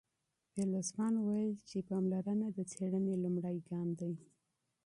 فيلسوفانو ويل چي مشاهده د څېړنې لومړی ګام دی.